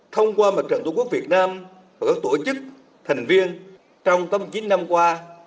thông qua mặt trận tổ quốc việt nam và các tổ chức thành viên trong tầm chín năm qua